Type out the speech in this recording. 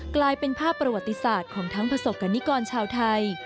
กลายเป็นภาพประวัติศาสตร์ของทั้งประสบกรณิกรชาวไทย